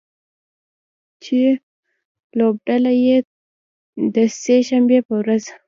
چې لوبډله یې د سې شنبې په ورځ